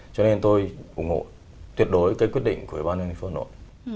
cho nên tôi ủng hộ tuyệt đối quyết định của ủy ban anh hồng nội